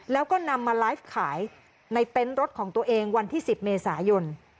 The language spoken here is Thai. แล้วก็นำมาไลฟ์ขายในเต็นต์รถของตัวเองวันที่๑๐เมษายน